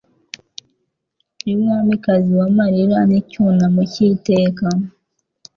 y'umwamikazi w'amarira n'icyunamo cy'iteka